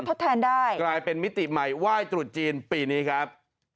ทดแทนได้กลายเป็นมิติใหม่ไหว้ตรุษจีนปีนี้ครับ